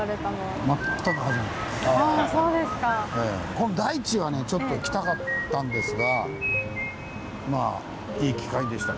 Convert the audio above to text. この台地はねちょっと来たかったんですがまあいい機会でした。